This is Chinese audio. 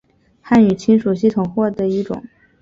汉语亲属系统或的一种。